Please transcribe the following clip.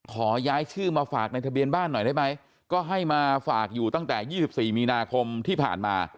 ขอย้ายชื่อมาฝากในทะเบียนบ้านหน่อยได้ไหมก็ให้มาฝากอยู่ตั้งแต่๒๔มีนาคมที่ผ่านมา